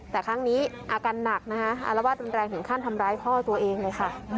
แต่ครั้งนี้อาการหนักนะคะอารวาสรุนแรงถึงขั้นทำร้ายพ่อตัวเองเลยค่ะ